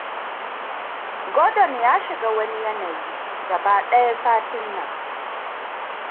Gordon ya shiga wani yanayi gaba daya satin nan.